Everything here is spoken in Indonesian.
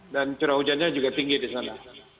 dan curah hujannya juga tinggi di sana